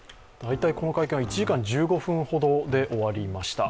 この会見は１時間１５分ほどで終わりました。